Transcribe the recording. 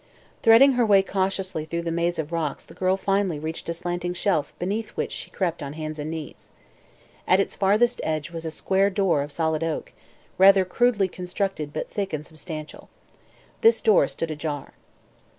Threading her way cautiously through the maze of rocks the girl finally reached a slanting shelf beneath which she crept on hands and knees. At its farthest edge was a square door of solid oak, rather crudely constructed but thick and substantial. This door stood ajar.